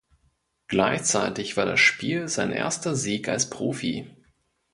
Gleichzeitig war das Spiel sein erster Sieg als Profi.